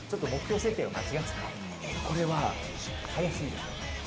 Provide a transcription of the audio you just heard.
これは速すぎた。